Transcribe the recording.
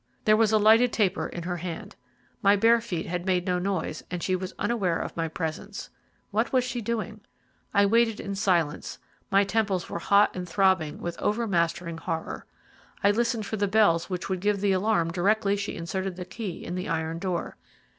There was a lighted taper in her hand. My bare feet had made no noise, and she was unaware of my presence. What was she doing? I waited in silence my temples were hot and throbbing with overmastering horror. I listened for the bells which would give the alarm directly she inserted the key in the iron door.